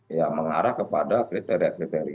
ya mengarah kepada kriteria kriteria